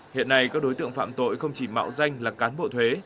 hiện nay các đối tượng phạm tội không chỉ mạo danh là cán bộ thuế